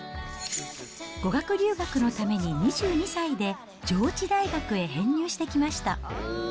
語学留学のために２２歳で上智大学へ編入してきました。